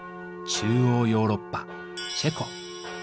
中欧ヨーロッパチェコ。